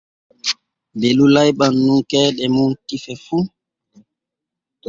Belu layɓan nun keeɗe mum tife fu.